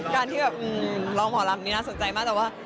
การที่เราลองผัวลำนี่น่าสนใจมาก